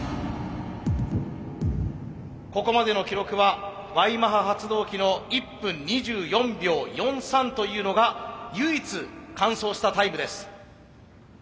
ここまでの記録はＹマハ発動機の１分２４秒４３というのが唯一完走したタイムです。